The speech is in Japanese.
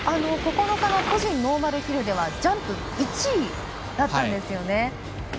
９日の個人ノーマルヒルではジャンプ１位だったんですね。